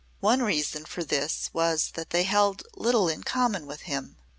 One reason for this was that they held little in common with him.